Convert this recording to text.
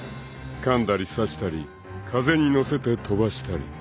［かんだり刺したり風に乗せて飛ばしたり］